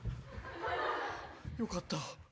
よかった。